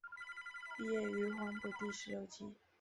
毕业于黄埔第十六期。